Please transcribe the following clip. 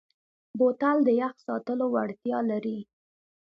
بوتل د یخ ساتلو وړتیا لري.